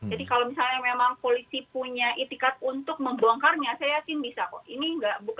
jadi kalau misalnya memang polisi punya itikat untuk membongkarnya saya yakin bisa kok